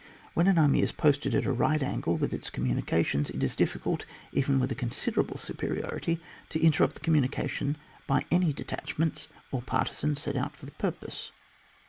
When an army is posted at a right angle with its communications, it is difficult, even with a considerable supe riority, to interrupt the commimications by any detachmei^ts or partisans sent out for the purpose.